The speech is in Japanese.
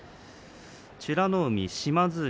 美ノ海、島津海